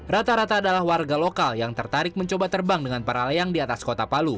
rata rata adalah warga lokal yang tertarik mencoba terbang dengan para layang di atas kota palu